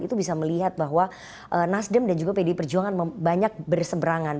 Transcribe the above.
itu bisa melihat bahwa nasdem dan juga pdi perjuangan banyak berseberangan